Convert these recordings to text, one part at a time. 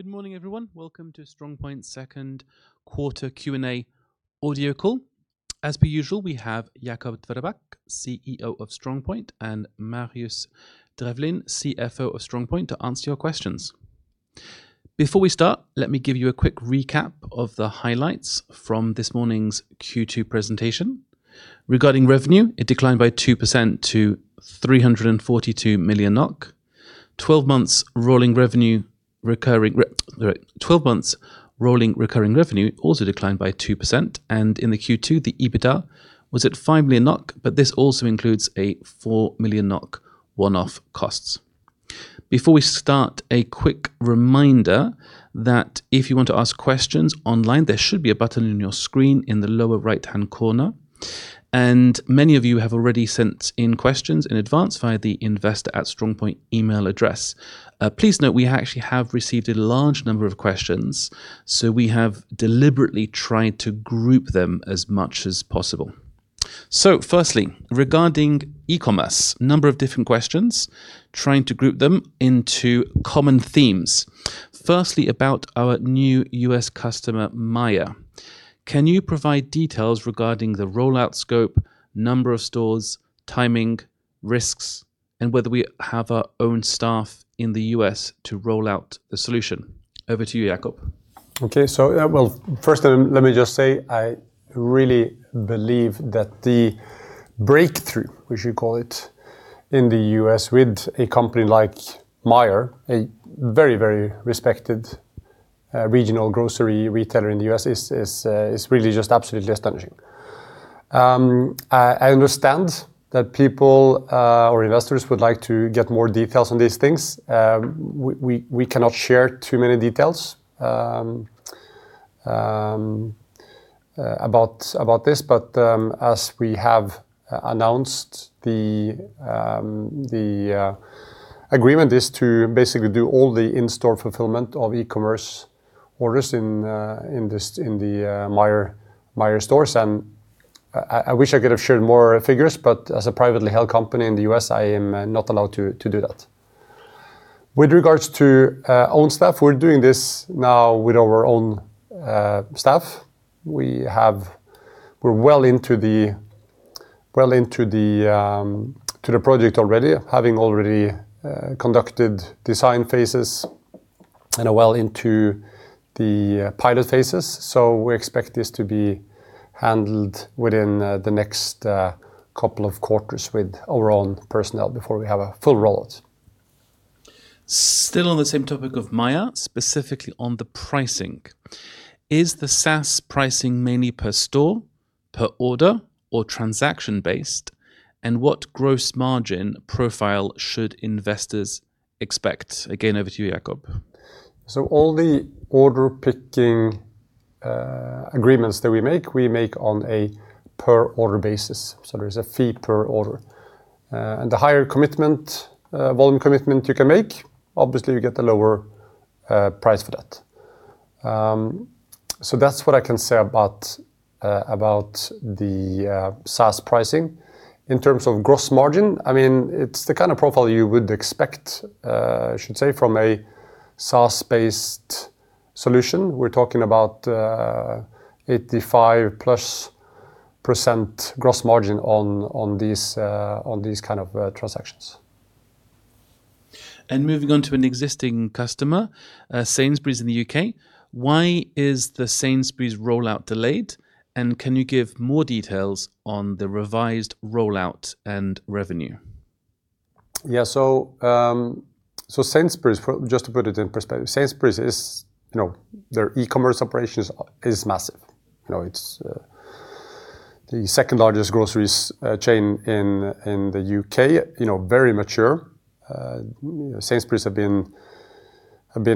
Good morning, everyone. Welcome to StrongPoint's second quarter Q&A audio call. As per usual, we have Jacob Tveraabak, CEO of StrongPoint, and Marius Drefvelin, CFO of StrongPoint, to answer your questions. Before we start, let me give you a quick recap of the highlights from this morning's Q2 presentation. Regarding revenue, it declined by 2% to 342 million NOK. 12 months rolling recurring revenue also declined by 2%, in the Q2, the EBITDA was at 5 million NOK, but this also includes a 4 million NOK one-off costs. Before we start, a quick reminder that if you want to ask questions online, there should be a button on your screen in the lower right-hand corner. Many of you have already sent in questions in advance via the investor@strongpoint email address. Please note we actually have received a large number of questions, we have deliberately tried to group them as much as possible. Firstly, regarding e-commerce, a number of different questions, trying to group them into common themes. Firstly, about our new U.S. customer, Meijer. Can you provide details regarding the rollout scope, number of stores, timing, risks, and whether we have our own staff in the U.S. to roll out the solution? Over to you, Jacob. First let me just say, I really believe that the breakthrough, we should call it, in the U.S. with a company like Meijer, a very respected regional grocery retailer in the U.S., is really just absolutely astonishing. I understand that people or investors would like to get more details on these things. We cannot share too many details about this. As we have announced, the agreement is to basically do all the in-store fulfillment of e-commerce orders in the Meijer stores. I wish I could have shared more figures, as a privately held company in the U.S., I am not allowed to do that. With regards to own staff, we're doing this now with our own staff. We're well into the project already, having already conducted design phases and are well into the pilot phases. We expect this to be handled within the next couple of quarters with our own personnel before we have a full rollout. Still on the same topic of Meijer, specifically on the pricing. Is the SaaS pricing mainly per store, per order, or transaction-based? What gross margin profile should investors expect? Again, over to you, Jacob. All the Order Picking agreements that we make, we make on a per order basis. There's a fee per order. The higher volume commitment you can make, obviously you get the lower price for that. That's what I can say about the SaaS pricing. In terms of gross margin, it's the kind of profile you would expect, I should say, from a SaaS-based solution. We're talking about 85%+ gross margin on these kind of transactions. Moving on to an existing customer, Sainsbury's in the U.K. Why is the Sainsbury's rollout delayed, and can you give more details on the revised rollout and revenue? Yeah. Sainsbury's, just to put it in perspective, Sainsbury's, their e-commerce operation is massive. It's the second-largest grocery chain in the U.K. Very mature. Sainsbury's have been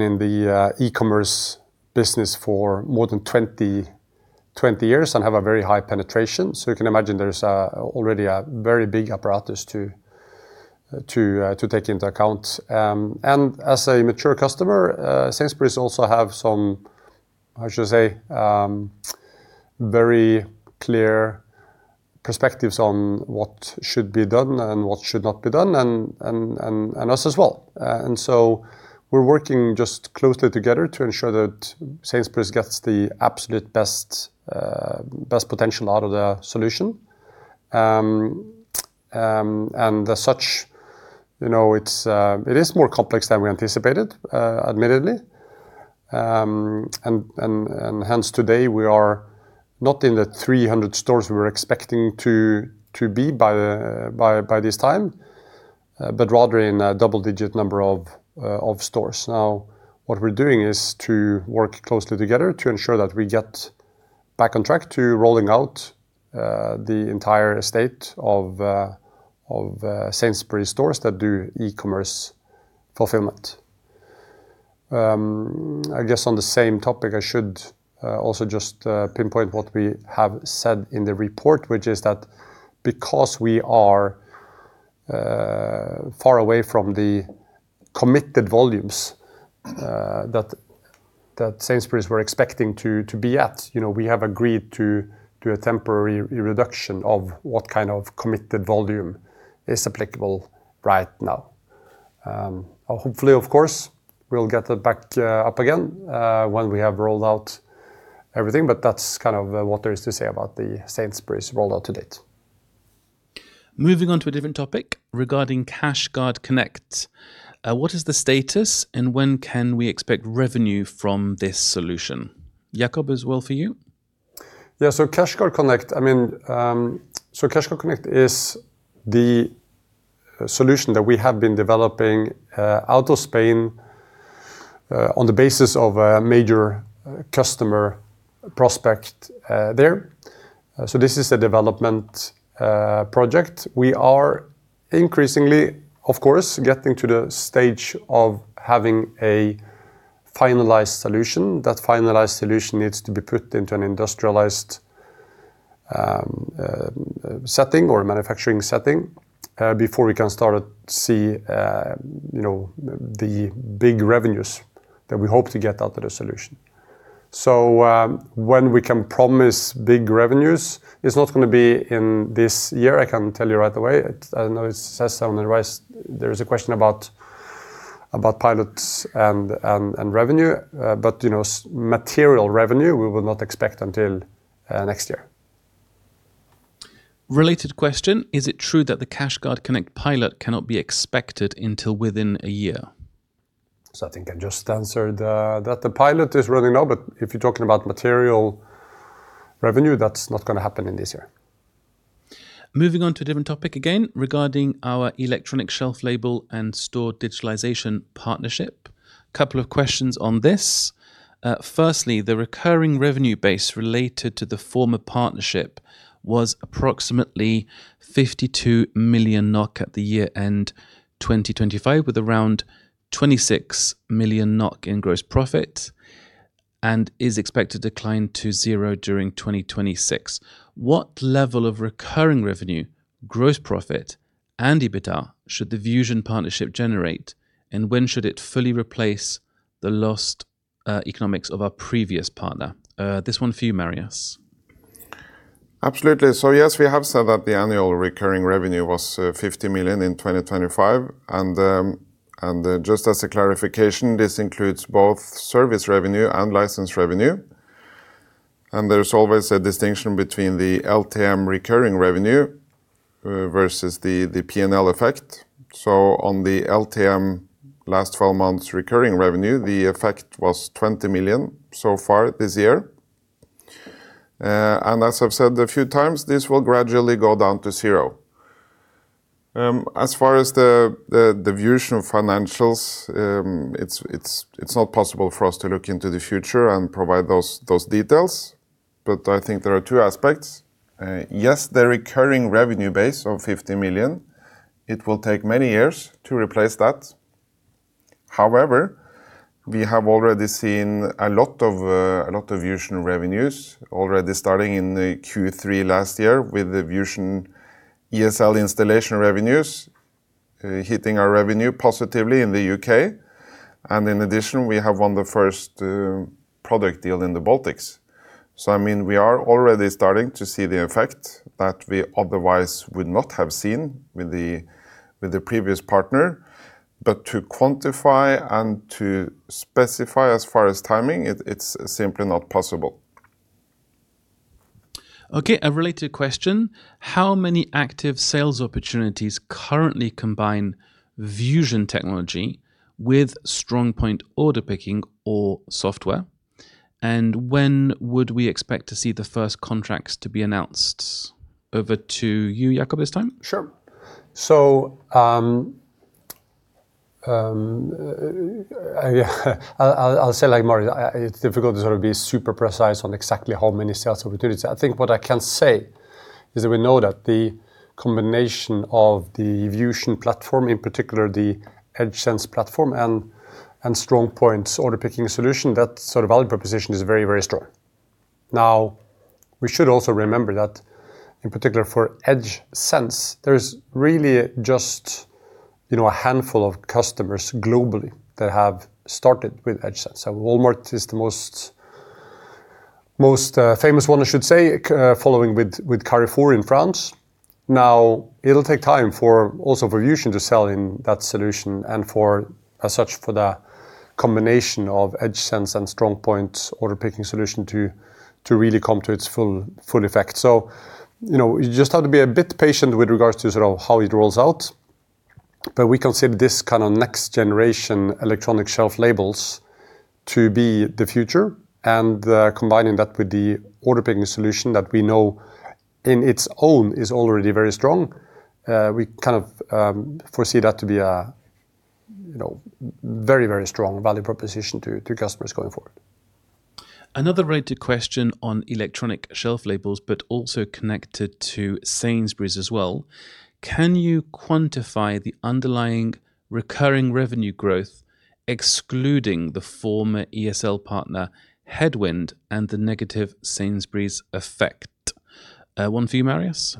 in the e-commerce business for more than 20 years and have a very high penetration. You can imagine there's already a very big apparatus to take into account. As a mature customer, Sainsbury's also have some, how should I say, very clear perspectives on what should be done and what should not be done. Us as well. We're working closely together to ensure that Sainsbury's gets the absolute best potential out of the solution. As such, it is more complex than we anticipated, admittedly. Hence today, we are not in the 300 stores we were expecting to be by this time, but rather in a double-digit number of stores. Now, what we're doing is to work closely together to ensure that we get back on track to rolling out the entire estate of Sainsbury's stores that do e-commerce fulfillment. I guess on the same topic, I should also just pinpoint what we have said in the report, which is that because we are far away from the committed volumes that Sainsbury's were expecting to be at. We have agreed to a temporary reduction of what kind of committed volume is applicable right now. Hopefully, of course, we'll get that back up again when we have rolled out everything, but that's what there is to say about the Sainsbury's rollout to date. Moving on to a different topic regarding CashGuard Connect. What is the status and when can we expect revenue from this solution? Jacob, as well for you? CashGuard Connect is the solution that we have been developing out of Spain on the basis of a major customer prospect there. This is a development project. We are increasingly, of course, getting to the stage of having a finalized solution. That finalized solution needs to be put into an industrialized setting or a manufacturing setting before we can start to see the big revenues that we hope to get out of the solution. When we can promise big revenues is not going to be in this year, I can tell you right away. I know it says so on the rise, there is a question about pilots and revenue. Material revenue, we will not expect until next year. Related question: is it true that the CashGuard Connect pilot cannot be expected until within a year? I think I just answered that the pilot is running now. If you're talking about material revenue, that's not going to happen in this year. Moving on to a different topic again, regarding our electronic shelf label and store digitalization partnership, couple of questions on this. Firstly, the recurring revenue base related to the former partnership was approximately 52 million NOK at the year-end 2025, with around 26 million NOK in gross profit, and is expected to decline to zero during 2026. What level of recurring revenue, gross profit, and EBITDA should the Vusion Partnership generate, and when should it fully replace the lost economics of our previous partner? This one for you, Marius. Absolutely. Yes, we have said that the annual recurring revenue was 50 million in 2025. Just as a clarification, this includes both service revenue and license revenue. There is always a distinction between the LTM recurring revenue versus the P&L effect. On the LTM, Last Twelve Months recurring revenue, the effect was 20 million so far this year. As I've said a few times, this will gradually go down to zero. As far as the Vusion financials, it's not possible for us to look into the future and provide those details. I think there are two aspects. Yes, the recurring revenue base of 50 million, it will take many years to replace that. However, we have already seen a lot of Vusion revenues already starting in the Q3 last year with the Vusion ESL installation revenues hitting our revenue positively in the U.K. In addition, we have won the first product deal in the Baltics. We are already starting to see the effect that we otherwise would not have seen with the previous partner. To quantify and to specify as far as timing, it's simply not possible. Okay, a related question. How many active sales opportunities currently combine Vusion technology with StrongPoint Order Picking or software? When would we expect to see the first contracts to be announced? Over to you, Jacob, this time. Sure. I'll say like Marius, it's difficult to be super precise on exactly how many sales opportunities. I think what I can say is that we know that the combination of the Vusion platform, in particular the EdgeSense platform and StrongPoint's Order Picking solution, that value proposition is very strong. We should also remember that, in particular for EdgeSense, there's really just a handful of customers globally that have started with EdgeSense, and Walmart is the most famous one, I should say, following with Carrefour in France. It'll take time for also for Vusion to sell in that solution and as such for the combination of EdgeSense and StrongPoint's Order Picking solution to really come to its full effect. You just have to be a bit patient with regards to how it rolls out. We consider this kind of next generation Electronic Shelf Labels to be the future, and combining that with the Order Picking solution that we know in its own is already very strong, we kind of foresee that to be a very strong value proposition to customers going forward. Another related question on Electronic Shelf Labels, but also connected to Sainsbury's as well. Can you quantify the underlying recurring revenue growth, excluding the former ESL partner headwind and the negative Sainsbury's effect? One for you, Marius.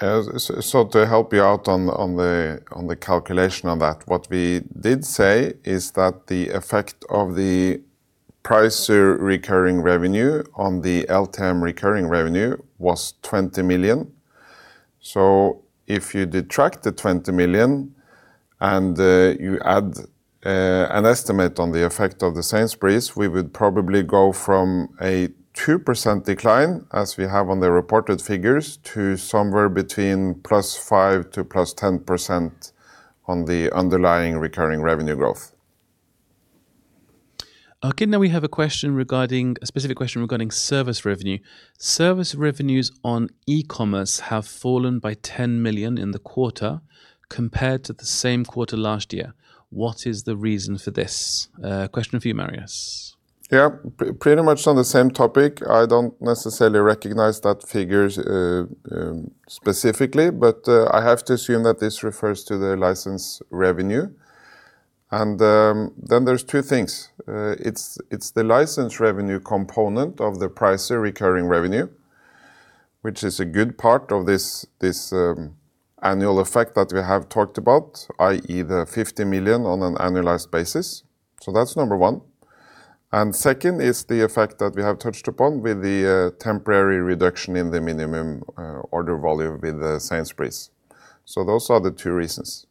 To help you out on the calculation of that, what we did say is that the effect of the Pricer recurring revenue on the LTM recurring revenue was 20 million. If you detract the 20 million and you add an estimate on the effect of the Sainsbury's, we would probably go from a 2% decline, as we have on the reported figures, to somewhere between +5% to +10% on the underlying recurring revenue growth. We have a specific question regarding service revenue. Service revenues on e-commerce have fallen by 10 million in the quarter compared to the same quarter last year. What is the reason for this? A question for you, Marius. Pretty much on the same topic. I don't necessarily recognize that figure specifically, but I have to assume that this refers to the license revenue. There's two things. It's the license revenue component of the Pricer recurring revenue, which is a good part of this annual effect that we have talked about, i.e., the 50 million on an annualized basis. That's number one. Second is the effect that we have touched upon with the temporary reduction in the minimum order volume with Sainsbury's. Those are the two reasons.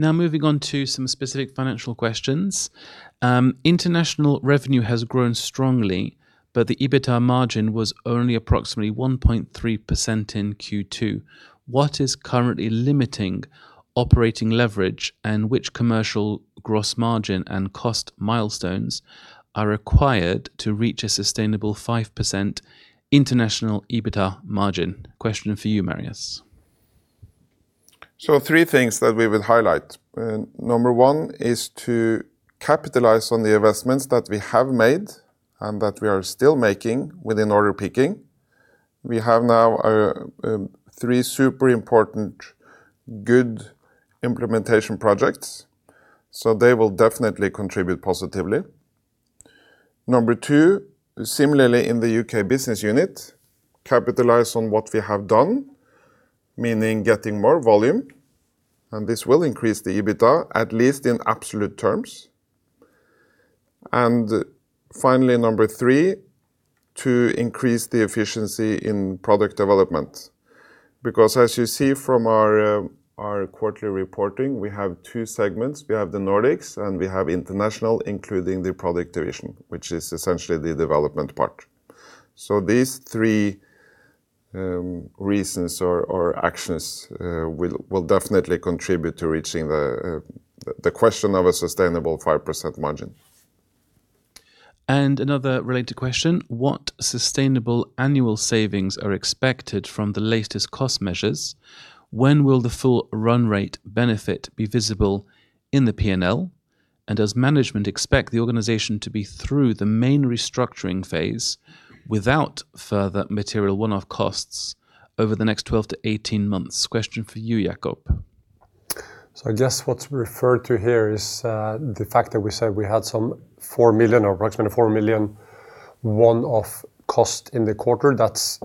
Moving on to some specific financial questions. International revenue has grown strongly, but the EBITDA margin was only approximately 1.3% in Q2. What is currently limiting operating leverage and which commercial gross margin and cost milestones are required to reach a sustainable 5% international EBITDA margin? Question for you, Marius. Three things that we will highlight. Number one is to capitalize on the investments that we have made and that we are still making within Order Picking. We have now three super important, good implementation projects, they will definitely contribute positively. Number two, similarly in the U.K. business unit, capitalize on what we have done, meaning getting more volume, this will increase the EBITDA, at least in absolute terms. Finally, number three, to increase the efficiency in product development. Because as you see from our quarterly reporting, we have two segments. We have the Nordics and we have international, including the product division, which is essentially the development part. These three reasons or actions will definitely contribute to reaching the question of a sustainable 5% margin. Another related question, what sustainable annual savings are expected from the latest cost measures? When will the full run rate benefit be visible in the P&L? Does management expect the organization to be through the main restructuring phase without further material one-off costs over the next 12-18 months? Question for you, Jacob. I guess what's referred to here is the fact that we said we had approximately 4 million one-off cost in the quarter, that's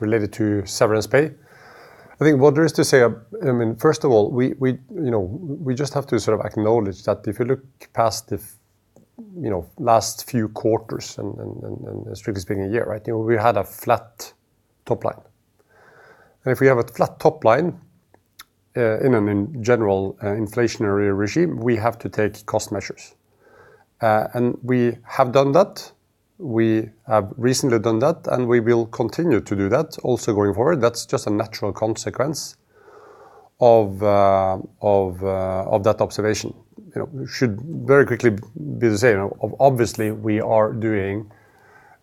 related to severance pay. I think what there is to say, first of all, we just have to sort of acknowledge that if you look past the last few quarters and strictly speaking a year, we had a flat top line. If we have a flat top line in a general inflationary regime, we have to take cost measures. We have done that. We have recently done that, and we will continue to do that also going forward. That's just a natural consequence of that observation. Should very quickly be to say, obviously, we are doing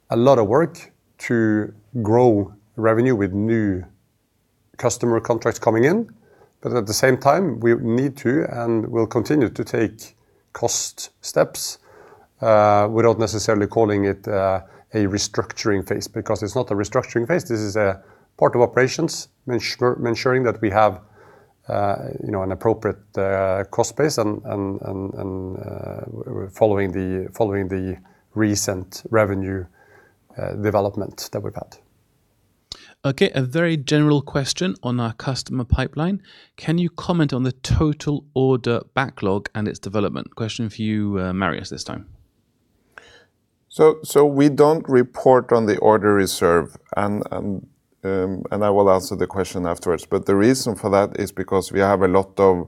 a lot of work to grow revenue with new customer contracts coming in. At the same time, we need to and will continue to take cost steps, without necessarily calling it a restructuring phase, because it's not a restructuring phase. This is a part of operations, ensuring that we have an appropriate cost base and following the recent revenue development that we've had. Okay. A very general question on our customer pipeline. Can you comment on the total order backlog and its development? Question for you, Marius, this time. We don't report on the order reserve, and I will answer the question afterwards. The reason for that is because we have a lot of,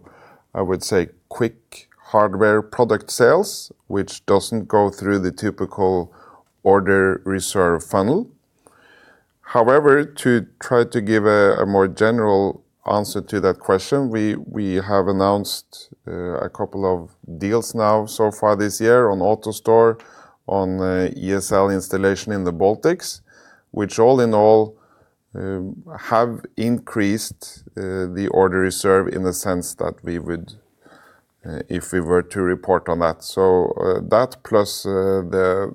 I would say, quick hardware product sales, which doesn't go through the typical order reserve funnel. However, to try to give a more general answer to that question, we have announced a couple of deals now so far this year on AutoStore, on ESL installation in the Baltics, which all in all have increased the order reserve in the sense that if we were to report on that. That plus the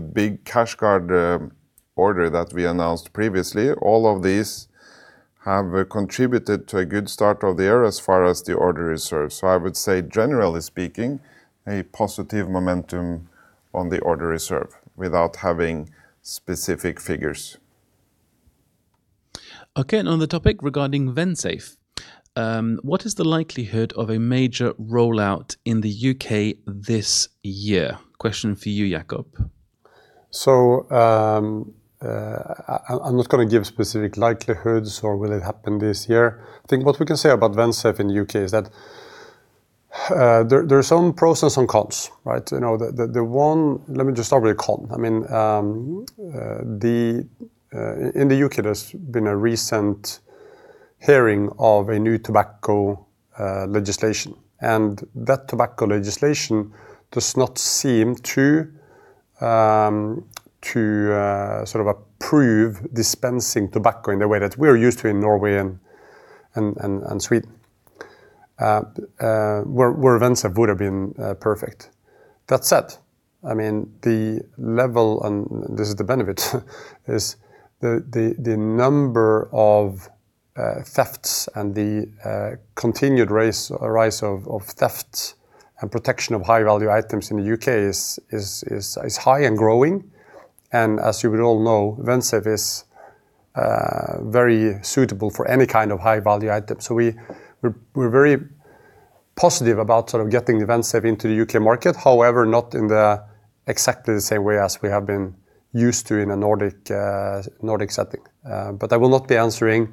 big CashGuard order that we announced previously, all of these have contributed to a good start of the year as far as the order reserve. I would say, generally speaking, a positive momentum on the order reserve without having specific figures. Okay, on the topic regarding Vensafe, what is the likelihood of a major rollout in the U.K. this year? Question for you, Jacob. I'm not going to give specific likelihoods or will it happen this year. I think what we can say about Vensafe in the U.K. is that there are some pros and some cons, right? Let me just start with a con. In the U.K., there's been a recent hearing of a new tobacco legislation, and that tobacco legislation does not seem to approve dispensing tobacco in the way that we're used to in Norway and Sweden, where Vensafe would've been perfect. That said, the level, and this is the benefit, is the number of thefts and the continued rise of theft and protection of high-value items in the U.K. is high and growing. As you would all know, Vensafe is very suitable for any kind of high-value item. We're very positive about getting Vensafe into the U.K. market. However, not in exactly the same way as we have been used to in a Nordic setting. I will not be answering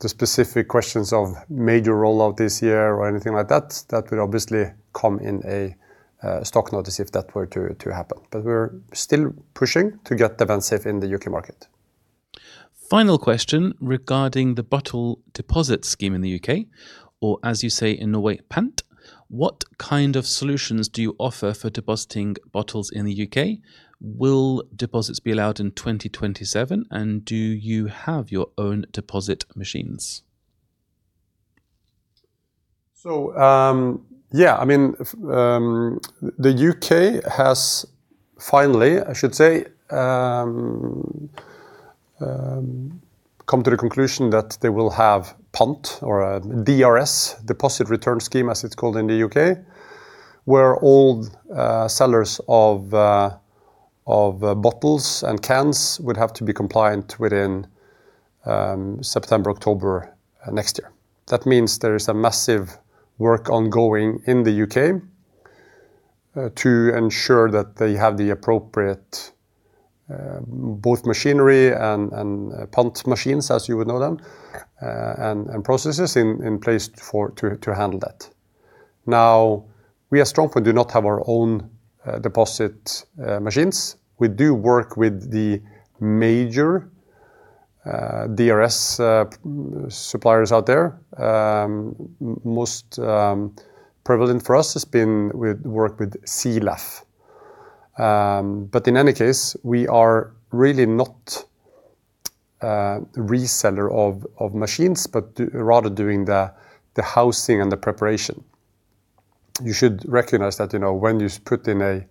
the specific questions of major rollout this year or anything like that. That will obviously come in a stock notice if that were to happen. We're still pushing to get the Vensafe in the U.K. market. Final question regarding the bottle deposit scheme in the U.K., or as you say in Norway, pant. What kind of solutions do you offer for depositing bottles in the U.K.? Will deposits be allowed in 2027? Do you have your own deposit machines? Yeah. The U.K. has finally, I should say, come to the conclusion that they will have pant or a DRS, deposit return scheme as it's called in the U.K., where all sellers of bottles and cans would have to be compliant within September, October next year. That means there is a massive work ongoing in the U.K. to ensure that they have the appropriate both machinery and pant machines, as you would know them, and processes in place to handle that. Now, we at StrongPoint do not have our own deposit machines. We do work with the major DRS suppliers out there. Most prevalent for us has been with work with Sielaff. In any case, we are really not reseller of machines, but rather doing the housing and the preparation. You should recognize that when you put in a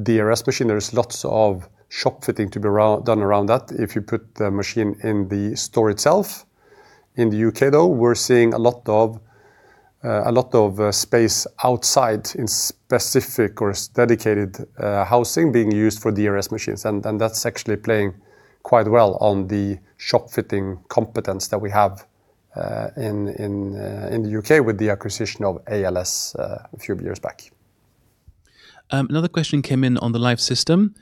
DRS machine, there is lots of shop fitting to be done around that if you put the machine in the store itself. In the U.K., though, we're seeing a lot of space outside in specific or dedicated housing being used for DRS machines, and that's actually playing quite well on the shop-fitting competence that we have in the U.K. with the acquisition of ALS a few years back. Another question came in on the live system.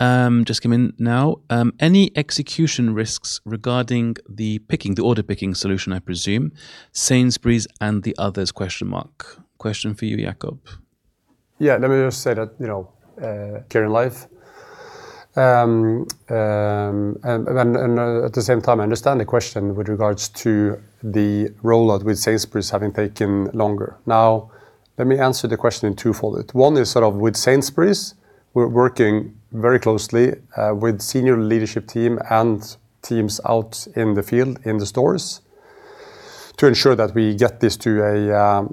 Just came in now. Any execution risks regarding the picking, the Order Picking solution, I presume, Sainsbury's and the others? Question for you, Jacob. Yeah, let me just say that here live. At the same time, I understand the question with regards to the rollout with Sainsbury's having taken longer. Let me answer the question in twofold. One is with Sainsbury's, we're working very closely with senior leadership team and teams out in the field, in the stores to ensure that we get this to a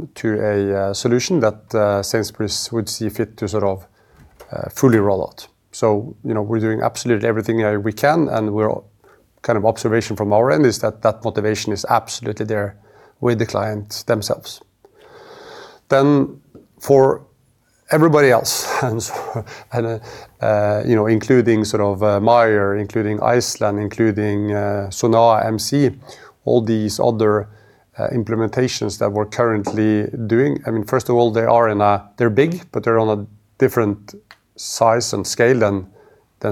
solution that Sainsbury's would see fit to fully roll out. We're doing absolutely everything that we can, and observation from our end is that that motivation is absolutely there with the clients themselves. For everybody else, including Meijer, including Iceland, including Sonae MC, all these other implementations that we're currently doing. First of all, they're big, but they're on a different size and scale than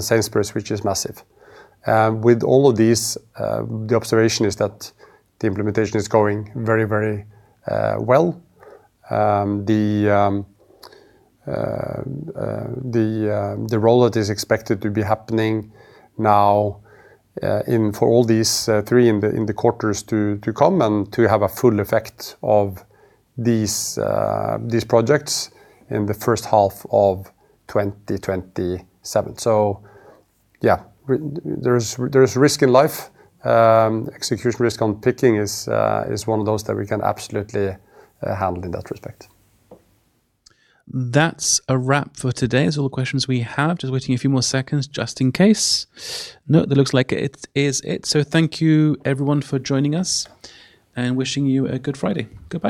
Sainsbury's, which is massive. With all of these, the observation is that the implementation is going very well. The rollout is expected to be happening now for all these three in the quarters to come and to have a full effect of these projects in the first half of 2027. Yeah, there's risk in life. Execution risk on picking is one of those that we can absolutely handle in that respect. That's a wrap for today. That's all the questions we have. Just waiting a few more seconds just in case. No, that looks like it is it. Thank you everyone for joining us, and wishing you a good Friday. Goodbye.